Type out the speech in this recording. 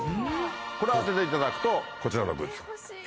これ当てていただくとこちらのグッズ。